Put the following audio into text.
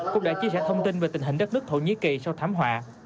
cũng đã chia sẻ thông tin về tình hình đất nước thổ nhĩ kỳ sau thảm họa